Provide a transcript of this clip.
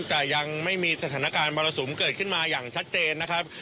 แต่ยังไม่มีสถานการณ์มรสุมเกิดขึ้นมาอย่างชัดเจนนะครับ